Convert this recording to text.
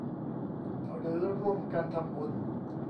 หรือร่วมกันทำบุญ